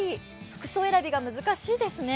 服装選びが難しいですね。